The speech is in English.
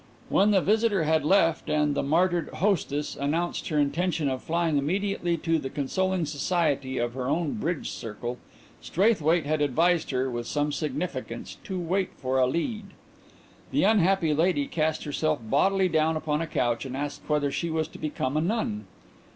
When the visitor had left and the martyred hostess announced her intention of flying immediately to the consoling society of her own bridge circle, Straithwaite had advised her, with some significance, to wait for a lead. The unhappy lady cast herself bodily down upon a couch and asked whether she was to become a nun.